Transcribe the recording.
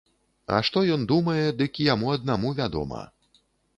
А што ён думае, дык яму аднаму вядома.